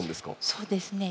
そうですね。